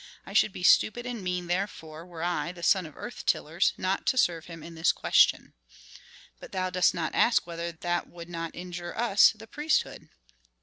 I should be stupid and mean, therefore, were I, the son of earth tillers, not to serve him in this question." "But thou dost not ask whether that would not injure us, the priesthood."